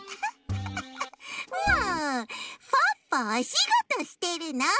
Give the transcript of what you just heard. もうポッポおしごとしてるの！